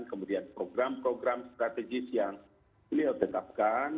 kemudian program program strategis yang beliau tetapkan